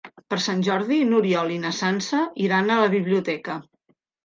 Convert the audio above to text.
Per Sant Jordi n'Oriol i na Sança iran a la biblioteca.